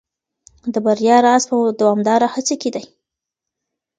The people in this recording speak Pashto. د بریا راز په دوامداره هڅه کي دی.